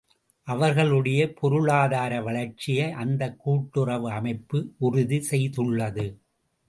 அவர்களுடைய பொருளாதார வளர்ச்சியை அந்தக் கூட்டுறவு அமைப்பு உறுதி செய்துள்ளது.